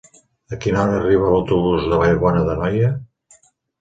A quina hora arriba l'autobús de Vallbona d'Anoia?